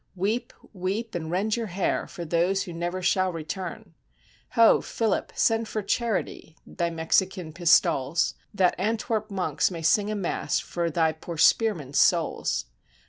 Weep, weep, and rend your hair for those who never shall return: Ho! Philip, send for charity, thy Mexican pistoles, That Antwerp monks may sing a mass for thy poor spearmen's souls!